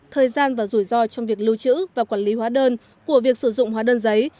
thời gian và rủi ro trong việc lưu trữ và quản lý hóa đơn của việc sử dụng hóa đơn giấy